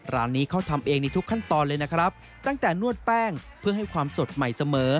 ร้านนี้เขาทำเองในทุกขั้นตอนเลยนะครับตั้งแต่นวดแป้งเพื่อให้ความสดใหม่เสมอ